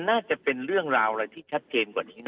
น่าจะเป็นเรื่องราวอะไรที่ชัดเจนกว่านี้นะ